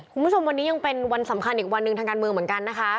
คุณผู้ชมวันนี้ยังเป็นวันสำคัญอีกวันหนึ่งทางการเมืองเหมือนกันนะคะ